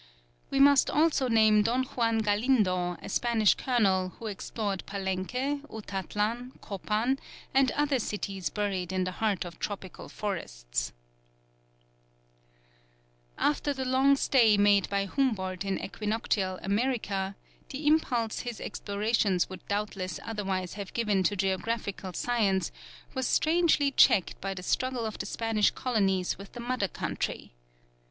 We must also name Don Juan Galindo, a Spanish colonel, who explored Palenque, Utatlan, Copan, and other cities buried in the heart of tropical forests. [Illustration: View of the Pyramid of Xochicalco. (Fac simile of early engraving.)] After the long stay made by Humboldt in equinoctial America, the impulse his explorations would doubtless otherwise have given to geographical science was strangely checked by the struggle of the Spanish colonies with the mother country.